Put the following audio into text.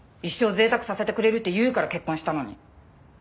一生贅沢させてくれるって言うから結婚したのに。